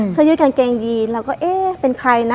เสื้อยืดกางเกงยีนแล้วก็เป็นใครน่ะ